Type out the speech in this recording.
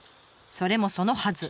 それもそのはず。